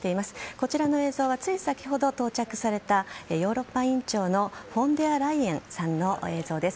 こちらの映像はつい先ほど到着されたヨーロッパ委員長のフォン・デア・ライエンさんの映像です。